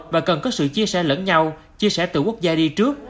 và cần có sự chia sẻ lẫn nhau chia sẻ từ quốc gia đi trước